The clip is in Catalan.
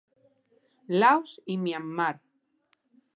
Laos i Myanmar.